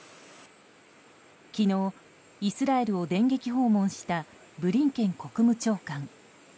昨日、イスラエルを電撃訪問したブリンケン国務長官。